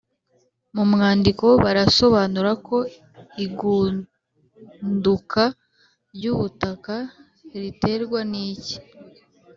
mu mwandiko barasobanura ko igunduka ry’ubutaka riterwa n’iki?